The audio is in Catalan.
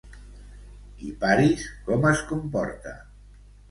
I Paris, com es comporta?